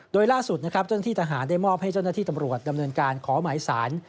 โดยล่าสุดนะครับเจ้าหน้าที่ทหารได้มอบให้เจ้าหน้าที่ตำรวจดำเนินการขอหมายสาร